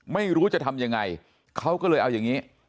ไม่รู้จะทำยังไงเขาก็เลยเอาอย่างนี้